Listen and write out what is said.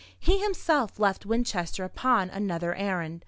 He himself left Winchester upon another errand.